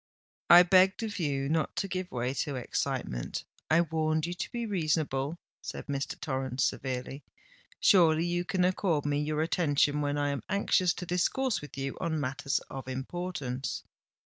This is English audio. "I begged of you not to give way to excitement—I warned you to be reasonable," said Mr. Torrens severely. "Surely you can accord me your attention when I am anxious to discourse with you on matters of importance?"